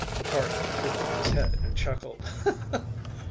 McCarty threw back his head and chuckled.